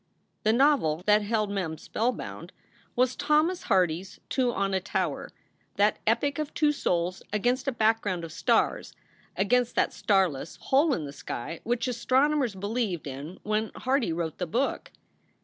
The novel that held Mem spellbound was Thomas Hardy s 88 SOULS FOR SALE Two on a Tower, that epic of two souls against a background of stars against that starless "hole in the sky" which astronomers believed in when Hardy wrote the book.